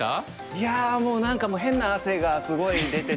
いやもう何か変な汗がすごい出て。